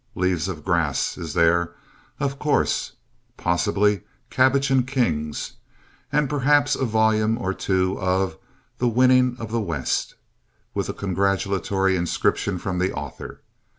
Leaves of Grass is there, of course; possibly Cabbages and Kings, and perhaps a volume or two of The Winning of the West, with a congratulatory inscription from the author.